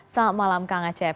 selamat malam kang acep